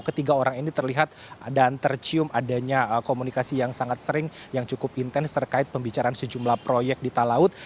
ketiga orang ini terlihat dan tercium adanya komunikasi yang sangat sering yang cukup intens terkait pembicaraan sejumlah proyek di talaut